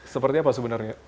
seperti apa sebenarnya